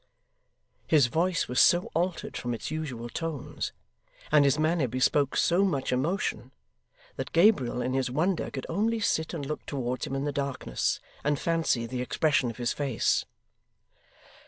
His voice was so altered from its usual tones, and his manner bespoke so much emotion, that Gabriel, in his wonder, could only sit and look towards him in the darkness, and fancy the expression of his face.